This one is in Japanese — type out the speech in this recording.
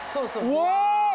うわ。